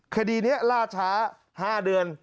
คดีเนี้ยลาช้าห้าเดือน